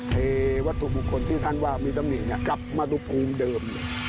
เทวะทุกคนที่ท่านว่ามีตำนีกลับมาทุกครูมเดิมเลย